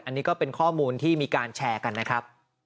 อันนี้ก็เป็นข้อมูลที่มีการแชร์กันนะครับ